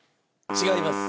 違います。